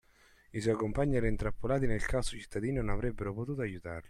I suoi compagni erano intrappolati nel caos cittadino e non avrebbero potuto aiutarlo.